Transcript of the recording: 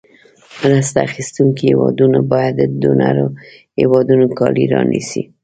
مرسته اخیستونکې هېوادونو باید د ډونر هېوادونو کالي رانیسي.